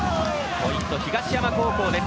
ポイントは東山高校です。